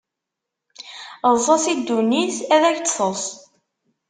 Eḍs-as i ddunit ad ak-d-teḍs!